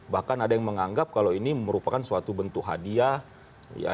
bahkan ada yang menganggap kalau ini merupakan suatu bentuk hadiah